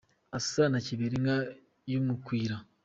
Asa na kiberinka y’umukwira